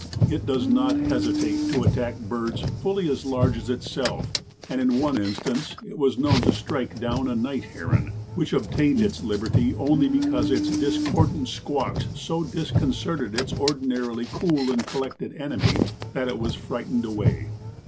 It does not hesitate to attack birds fully as large as itself and in one instance it was known to strike down a night heron, which obtained its liberty only because its discordant squawks so disconcerted its ordinarily cool and collected enemy that it was frightened away.